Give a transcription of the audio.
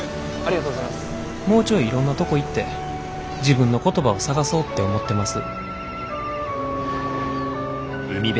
「もうちょいいろんなとこ行って自分の言葉を探そうって思ってます」。